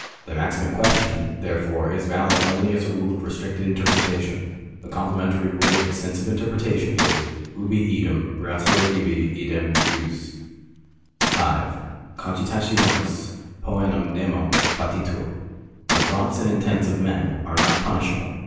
The maxim in question, therefore, is valid only as a rule of restrictive interpretation. The complementary rule of extensive interpretation is, Ubi eadem ratio ibi idem jus. See Vangerow, I. sect. 25. 5. COGITATIONIS POENAM NEMO PATITUR. D. 48. 19. 18. The thoughts and intents of men are not jjunishable.